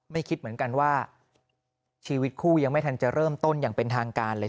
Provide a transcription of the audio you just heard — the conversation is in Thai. คิดเหมือนกันว่าชีวิตคู่ยังไม่ทันจะเริ่มต้นอย่างเป็นทางการเลย